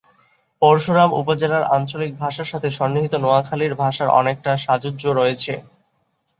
পরশুরাম উপজেলার আঞ্চলিক ভাষার সাথে সন্নিহিত নোয়াখালীর ভাষার অনেকটা সাযুজ্য রয়েছে।